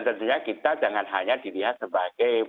tentunya kita jangan hanya dilihat sebagai